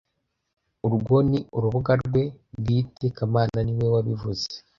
Urwo ni urubuga rwe bwite kamana niwe wabivuze